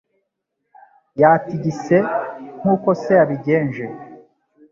Yatigise, nk'uko se yabigenje.